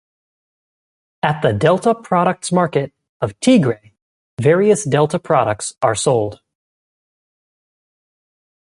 At the Delta Products Market of Tigre, various Delta products are sold.